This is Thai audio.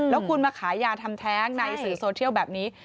แล้วคุณมาขายยาทำแท้งในสื่อโซเทียลแบบนี้